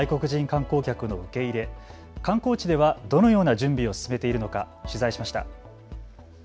観光地ではどのような準備を進めているのか取材しました。